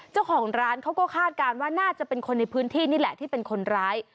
เจ้าของร้านเขาก็คาดการณ์ว่าน่าจะเป็นคนในพื้นที่นี่แหละที่เป็นคนร้าย